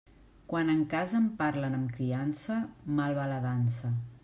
Quan en casa em parlen amb criança, mal va la dansa.